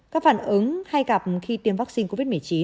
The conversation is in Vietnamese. các phản ứng hay gặp khi tiêm vaccine covid một mươi chín